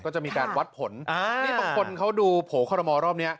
ก็จะมีการวัดผลอ่านี่บางคนเขาดูโผล่คอรมอลรอบนี้